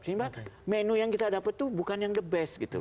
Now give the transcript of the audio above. karena menu yang kita dapat itu bukan yang the best